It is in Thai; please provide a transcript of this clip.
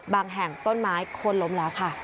บางแห่งต้นไม้ควบลมแล้วค่ะ